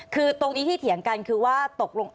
คือตรงนี้ที่เถียงกันคือว่าตกลง